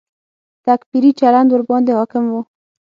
تکفیري چلند ورباندې حاکم و.